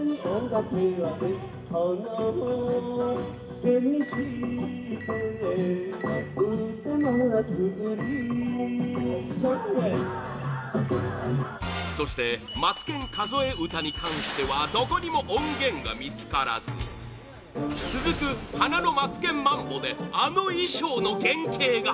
「花を背にして歌祭り」そして「松健数え歌」に関してはどこにも音源が見つからず続く「花のマツケンマンボ」であの衣装の原型が！